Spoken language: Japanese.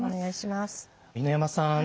犬山さん